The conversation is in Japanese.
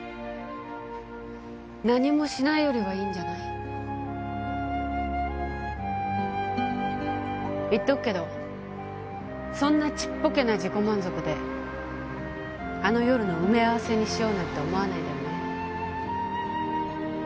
何もしないよりはいいんじゃない言っとくけどそんなちっぽけな自己満足であの夜の埋め合わせにしようなんて思わないでよね